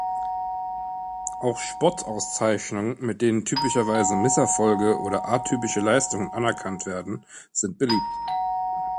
Auch „Spott“-Auszeichnungen, mit denen typischerweise Misserfolge oder atypische Leistungen anerkannt werden, sind beliebt.